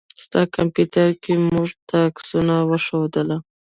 ستا کمپيوټر کې يې موږ ته عکسونه وښودله.